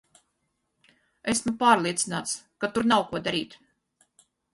Esmu pārliecināts, ka tur nav ko darīt.